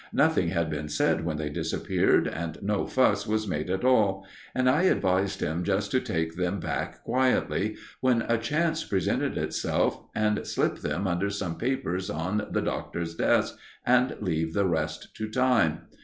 Nothing had been said when they disappeared, and no fuss was made at all; and I advised him just to take them back quietly, when a chance presented itself, and slip them under some papers on the Doctor's desk, and leave the rest to time.